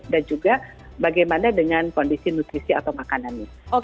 dan juga bagaimana dengan kondisi nutrisi atau makanan